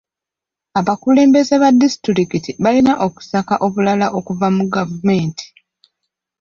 Abakulembeze ba disitulikiti balina okusaka obulala okuva mu gavumenti.